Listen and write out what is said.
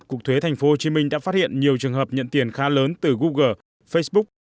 cục thuế tp hcm đã phát hiện nhiều trường hợp nhận tiền khá lớn từ google facebook